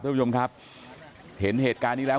ท่านผู้ชมครับเห็นเหตุการณ์นี้แล้ว